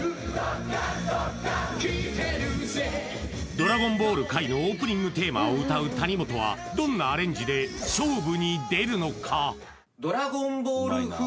ドラゴンボール改のオープニングテーマを歌う谷本はどんなアレンジで勝負に出るのか